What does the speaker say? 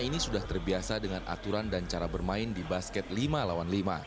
ini sudah terbiasa dengan aturan dan cara bermain di basket lima lawan lima